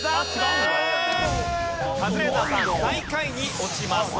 最下位に落ちます。